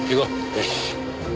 よし。